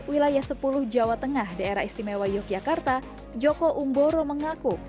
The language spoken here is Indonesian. wilayah sepuluh jawa tengah daerah istimewa yogyakarta joko umboro mengaku